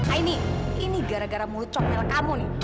aini ini gara gara mucoh mel kamu nih